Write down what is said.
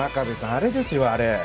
あれですよあれ。